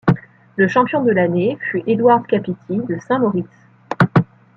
Le champion de l'année fut Eduard Capiti, de Saint-Moritz.